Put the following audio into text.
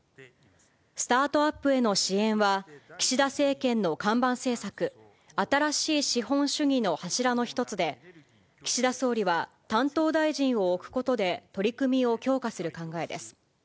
スタートアップへの支援は、岸田政権の看板政策、新しい資本主義の柱の一つで、岸田総理は、担当大臣を置くことで取り組みを強化する考えです。